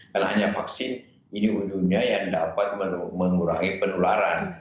karena hanya vaksin ini yang dapat mengurangi penularan